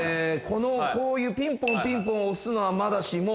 このこういうピンポン押すのはまだしも。